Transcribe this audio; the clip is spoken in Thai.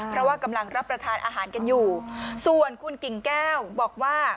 เพราะว่ากำลังรับประทานอาหารกันอยู่ส่วนคุณกิ่งแก้วบอกว่า